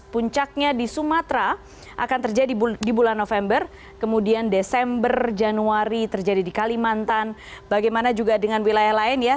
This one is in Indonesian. puncaknya di sumatera akan terjadi di bulan november kemudian desember januari terjadi di kalimantan bagaimana juga dengan wilayah lain ya